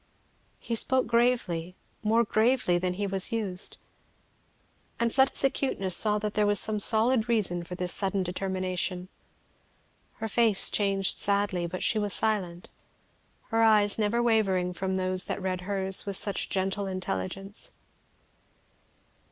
He spoke gravely, more gravely than he was used; and Fleda's acuteness saw that there was some solid reason for this sudden determination. Her face changed sadly, but she was silent, her eyes never wavering from those that read hers with such gentle intelligence.